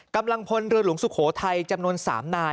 กำลังพลเรือหลวงสุโขทัยจำนวน๓นาย